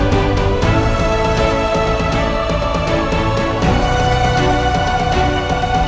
terima kasih pak